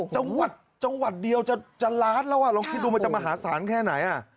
จังหวัดจังหวัดเดียวจะล้านแล้วอ่ะลองคิดดูมันจะมหาศาลแค่ไหน